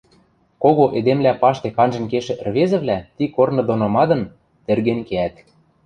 Кого эдемвлӓ паштек анжен кешӹ ӹрвезӹвлӓ ти корны доно мадын, тӹрген кеӓт.